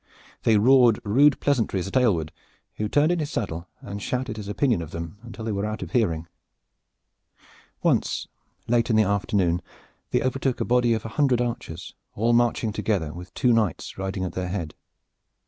They roared rude pleasantries at Aylward, who turned in his saddle and shouted his opinion of them until they were out of hearing. Once, late in the afternoon, they overtook a body of a hundred archers all marching together with two knights riding at their head.